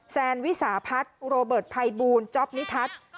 แซนวิสาพัฒน์โรเบิร์ตภัยบูลจ๊อปนิทัศน์